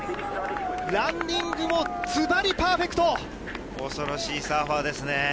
ランディングもずばりパーフェク恐ろしいサーファーですね。